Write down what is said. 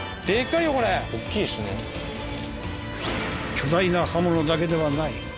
巨大な刃物だけではない。